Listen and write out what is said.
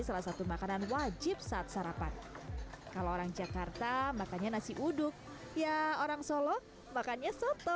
salah satu makanan wajib saat sarapan kalau orang jakarta makannya nasi uduk ya orang solo makannya soto